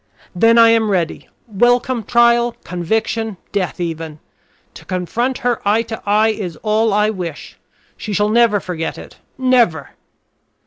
"Then I am ready. Welcome trial, conviction, death, even. To confront her eye to eye is all I wish. She shall never forget it, never!"